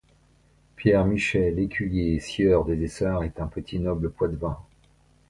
Pierre Michel, écuyer, sieur des Essarts, est un petit noble poitevin.